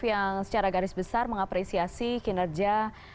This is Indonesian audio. yang secara garis besar mengapresiasi kinerja